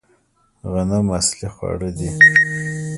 غنم اصلي خواړه دي